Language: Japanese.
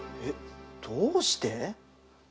えっどうして？